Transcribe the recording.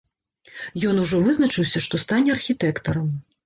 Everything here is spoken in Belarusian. Ён ужо вызначыўся, што стане архітэктарам.